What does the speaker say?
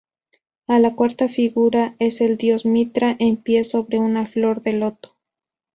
La cuarta figura es el dios Mitra en pie sobre una flor de loto.